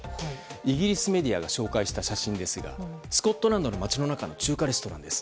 イギリスメディアが紹介した写真ですがスコットランドの街の中の中華レストランです。